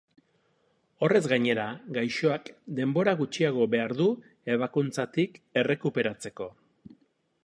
Horrez gainera, gaixoak denbora gutxiago behar du ebakuntzatik errekuperatzeko.